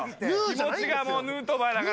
気持ちがもうヌートバーだから。